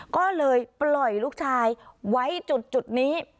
ก็เลยปล่อยลูกชายไว้จุดนี้